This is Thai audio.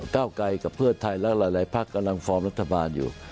เก้าไกลกับเพื่อไทยและหลายพักกำลังฟอร์มรัฐบาลอยู่